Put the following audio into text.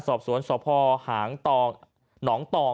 สศพหางตอง